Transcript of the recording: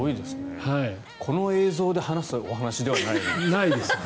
この映像で話すお話ではないですね。